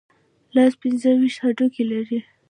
لاس پنځه ویشت هډوکي لري.